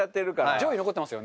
上位残ってますよね。